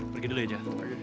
pergi dulu aja